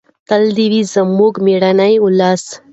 تل دې وي زموږ مېړنی ولس.